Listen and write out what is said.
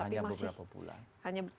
hanya dalam beberapa bulan